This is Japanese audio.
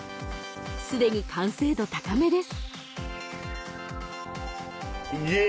既に完成度高めです